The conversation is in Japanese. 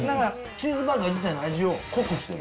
チーズバーガー自体の味を濃くしてる。